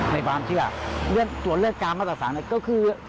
ในความที่ว่าส่วนเลขการมัตตสังค์ก็คือ